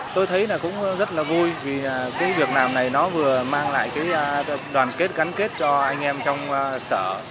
tôi thấy là cũng rất là vui vì cái việc làm này nó vừa mang lại cái đoàn kết gắn kết cho anh em trong sở